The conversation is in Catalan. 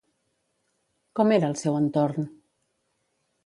Com era el seu entorn?